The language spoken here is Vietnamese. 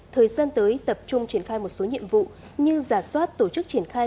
thời gian tới tập trung triển khai một số nhiệm vụ như giả soát tổ chức triển khai